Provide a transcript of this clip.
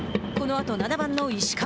このあと７番の石川